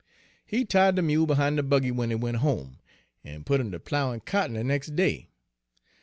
"He tied de mule behin' de buggy w'en he went home, en put 'im ter ploughin' cotton de nex' day.